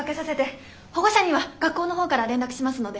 保護者には学校の方から連絡しますので。